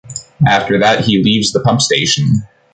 After that he leaves the pump station.